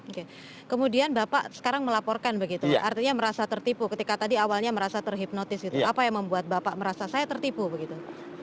oke kemudian bapak sekarang melaporkan begitu artinya merasa tertipu ketika tadi awalnya merasa terhipnotis gitu apa yang membuat bapak merasa saya tertipu begitu